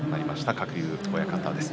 鶴竜親方です。